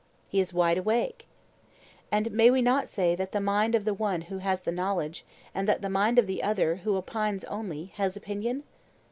He is wide awake. And may we not say that the mind of the one who knows has knowledge, and that the mind of the other, who opines only, has opinion?